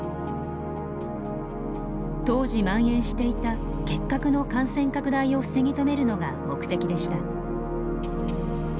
当時まん延していた結核の感染拡大を防ぎ止めるのが目的でした。